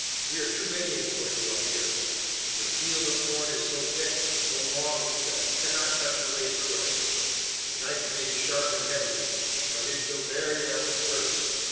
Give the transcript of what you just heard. We are too many for you up here. Der field uf corn iss so thick und so long dot you cannot cut your way through it. Your knife may be sharp and heavy, but it vill vear out first.